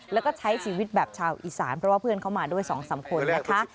แล้วก็ใช้ชีวิตแบบชาวอีสานเพราะว่าเพื่อนเขามาด้วย๒๓คนนะคะ